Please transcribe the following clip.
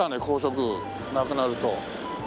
高速なくなると。